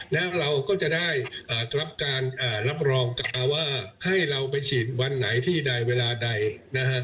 แล้วเราก็จะได้รับการรับรองกาว่าให้เราไปฉีดวันไหนที่ใดเวลาใดนะครับ